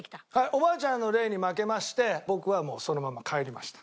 おばあちゃんの霊に負けまして僕はもうそのまま帰りました。